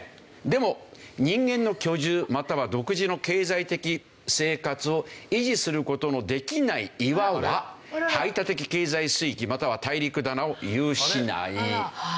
でも「人間の居住又は独自の経済的生活を維持することのできない岩は排他的経済水域又は大陸棚を有しない」。